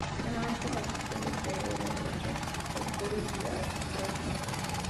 Generalmente, la adición del Zr–H ocurre vía adición sin.